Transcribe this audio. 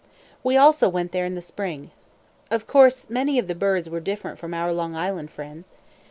We also went there in the spring. Of course many of the birds were different from our Long Island friends.